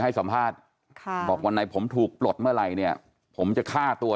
ให้สัมภาษณ์ค่ะบอกวันไหนผมถูกปลดเมื่อไหร่เนี่ยผมจะฆ่าตัว